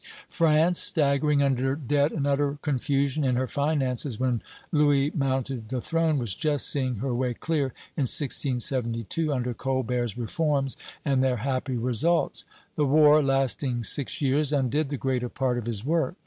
France, staggering under debt and utter confusion in her finances when Louis mounted the throne, was just seeing her way clear in 1672, under Colbert's reforms and their happy results. The war, lasting six years, undid the greater part of his work.